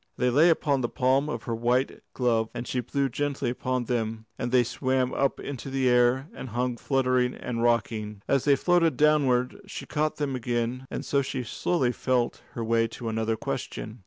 They lay upon the palm of her white glove, and she blew gently upon them, and they swam up into the air and hung fluttering and rocking. As they floated downward she caught them again, and so she slowly felt her way to another question.